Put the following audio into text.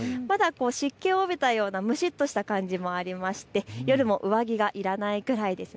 湿気を帯びたような蒸しっとした感じもありまして夜も上着がいかないくらいです。